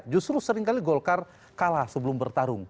justru sering kali golkar kalah sebelum bertarung